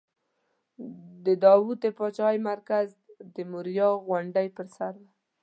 د داود د پاچاهۍ مرکز د موریا غونډۍ پر سر و.